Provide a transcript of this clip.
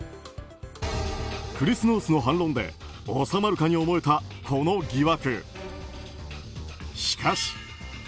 クリス・ノースの反論で収まるかに思えた、この疑惑。